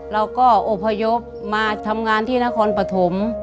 เราก็อบพยพมาทำงานที่นครปฐม